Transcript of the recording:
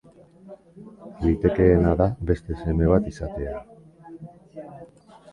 Litekeena da beste seme bat izatea.